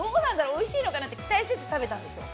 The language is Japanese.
おいしいのかなって期待せず食べたんですよ。